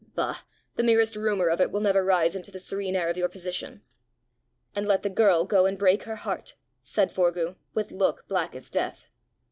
Bah! the merest rumour of it will never rise into the serene air of your position." "And let the girl go and break her heart!" said Forgue, with look black as death.